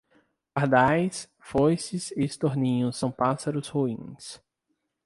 Pardais, foices e estorninhos são pássaros ruins.